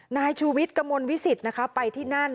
นายชูวิทรกะม้วนวิสิทธิ์ไปที่นั่น